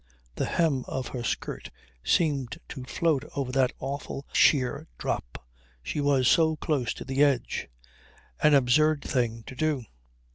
The hem of her skirt seemed to float over that awful sheer drop, she was so close to the edge. An absurd thing to do.